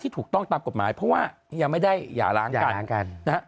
ที่ถูกต้องตามกฎหมายเพราะว่ายังไม่ได้หย่าร้างกัน